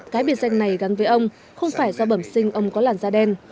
cái biệt danh này gắn với ông không phải do bẩm sinh ông có làn da đen